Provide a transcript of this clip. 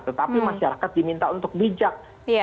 tetapi masyarakat diminta untuk bijak